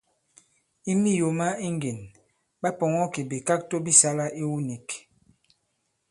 I miyò ma iŋgìn, ɓa pɔ̀ŋɔ kì bìkakto bi sālā iwu nīk.